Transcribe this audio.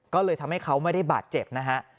ก็เลยทำให้เขาไม่ได้บาดเจ็บนะฮะ